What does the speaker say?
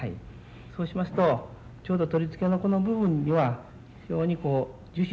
そうしますとちょうど取り付けのこの部分には非常にこう樹脂でですね